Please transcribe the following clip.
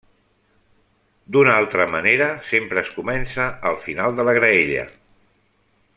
D'una altra manera, sempre es comença al final de la graella.